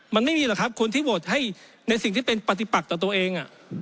มันไม่มีหรอกครับคนที่โหวตให้ในสิ่งที่เป็นปฏิปักต่อตัวเอง